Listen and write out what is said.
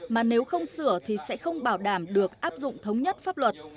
mà nếu không sửa thì sẽ không bảo đảm được áp dụng thống nhất pháp luật